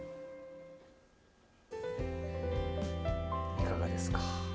いかがですか。